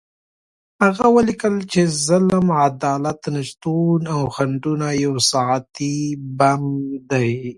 هغه ولیکل چې ظلم، عدالت نشتون او خنډونه یو ساعتي بم دی.